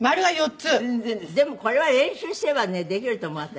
でもこれは練習すればねできると思う私。